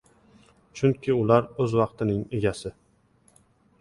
Chunki ular o‘z vaqtining egasi.